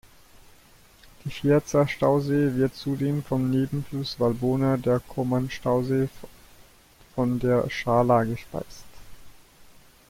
Der Fierza-Stausee wird zudem vom Nebenfluss Valbona, der Koman-Stausee von der Shala gespeist.